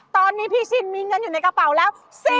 ตอนนี้พี่ชินมีเงินอยู่ในกระเป๋าแล้ว